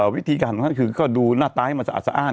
วิธีการของท่านคือก็ดูหน้าตาให้มาสะอาด